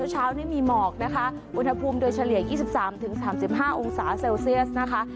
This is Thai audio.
เช้านี้มีหมอกนะคะอุณหภูมิโดยเฉลี่ย๒๓๓๕องศาเซลเซียสนะคะ